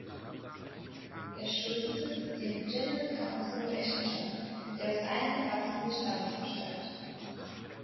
Er schuldete dem "General Counsel" Rechenschaft, der aus allen Erwachsenen des Stammes bestand.